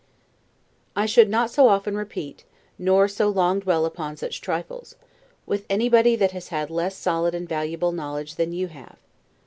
I should not so often repeat, nor so long dwell upon such trifles, with anybody that had less solid and valuable knowledge than you have.